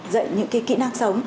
dạy những cái kỹ năng sống